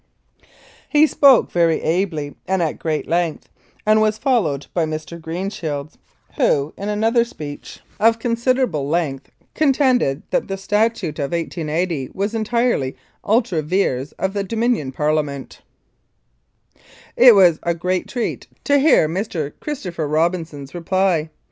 He spoke very ably and at great length, and was followed by Mr. Greenshields, who, in another speech 193 Mounted Police Life in Canada of considerable length, contended that the statute of 1880 was entirely ultra vires of the Dominion Parlia ment. It was a great treat to hear Mr. Christopher Robin son's reply.